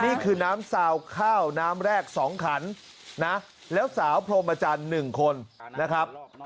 นี่คือน้ำซาวข้าวน้ำแรก๒ขันนะแล้วสาวพรมจันทร์๑คนนะครับ